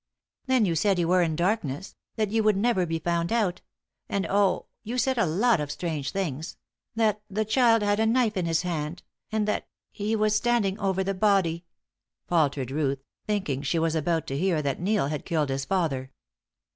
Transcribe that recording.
Then you said you were in darkness, that you would never be found out, and oh! you said a lot of strange things that the child had a knife in his hand, and that he was standing over the body," faltered Ruth, thinking she was about to hear that Neil had killed his father.